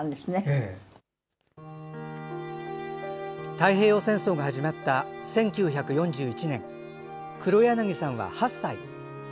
太平洋戦争が始まった１９４１年、黒柳さんは８歳。